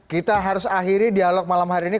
kita harus akhiri dialog malam hari ini